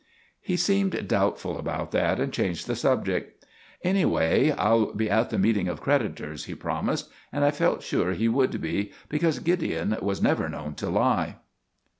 He seemed doubtful about that and changed the subject. "Anyway, I'll be at the meeting of creditors," he promised; and I felt sure he would be, because Gideon was never known to lie.